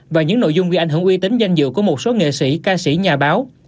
và những nội dung gây ảnh hưởng uy tín danh dự của một số nghệ sĩ ca sĩ nhà báo